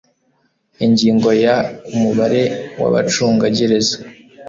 ingingo ya umubare w abacungagereza